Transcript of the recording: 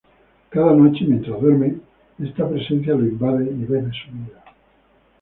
Cada noche, mientras duerme, esta presencia lo invade y bebe su vida.